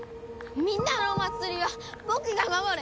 みんなのお祭りは僕が守る。